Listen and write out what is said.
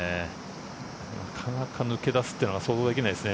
なかなか抜け出すというのは想像できないですね。